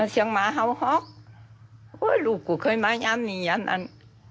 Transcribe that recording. เสียงม้าเฮ้าลูกกูเคยมาย้ำนี่ย้ำนั่น